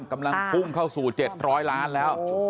กำลังพุ่งเข้าสู่๗๐๐ล้านแล้ว